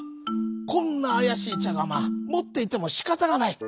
こんなあやしいちゃがまもっていてもしかたがない。